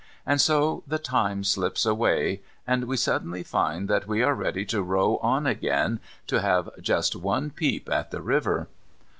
And so the time slips away, and we suddenly find that we are ready to row on again to have just one peep at the river.